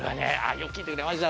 よく聞いてくれました。